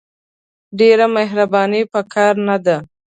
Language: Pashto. ډېره مهرباني په کار نه ده !